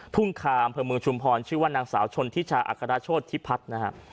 คาอำเภอเมืองชุมพรชื่อว่านางสาวชนทิชาอัครโชธพิพัฒน์นะฮะ